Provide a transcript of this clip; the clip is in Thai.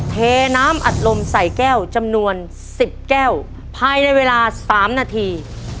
เทน้ำอัดลมใส่แก้วจำนวน๑๐แก้วภายในเวลา๓นาที